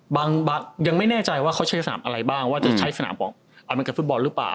บางคนยังไม่น่าจะใช้สนามอะไรบ้างว่าจะใช้สนามอเมริกาฟุตบอลหรือเปล่า